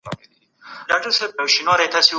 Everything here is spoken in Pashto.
که د موضوع مخینه روښانه وي کار اسانه کیږي.